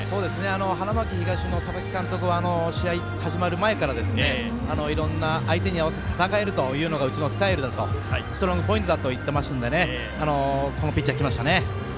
花巻東の佐々木監督は試合始まる前からいろんな相手に合わせて戦えるのがうちのスタイルだとストロングポイントだと言っていましたのでこのピッチャー、きましたね。